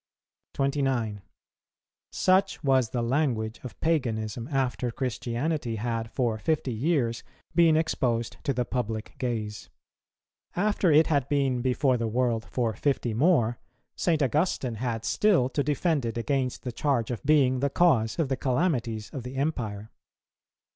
29. Such was the language of paganism after Christianity had for fifty years been exposed to the public gaze; after it had been before the world for fifty more, St. Augustine had still to defend it against the charge of being the cause of the calamities of the Empire.